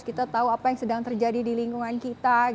kita tahu apa yang sedang terjadi di lingkungan kita